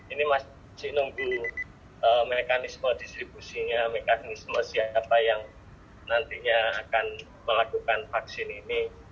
ini masih nunggu mekanisme distribusinya mekanisme siapa yang nantinya akan melakukan vaksin ini